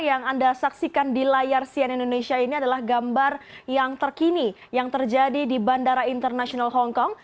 yang anda saksikan di layar sian indonesia ini adalah gambar yang terkini yang terjadi di bandara internasional hongkong